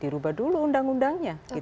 dirubah dulu undang undangnya